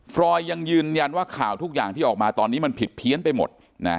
รอยยังยืนยันว่าข่าวทุกอย่างที่ออกมาตอนนี้มันผิดเพี้ยนไปหมด